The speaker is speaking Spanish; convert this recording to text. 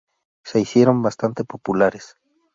Se hicieron bastante populares.